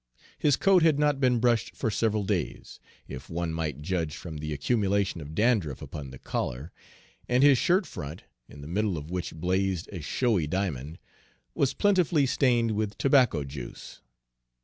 His coat had not been brushed for several days, if one might judge from the accumulation of dandruff upon the collar, and his shirt front, in the middle of which blazed a showy diamond, was plentifully stained with tobacco juice.